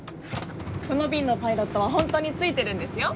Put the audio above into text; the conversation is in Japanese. この便のパイロットは本当にツイてるんですよ。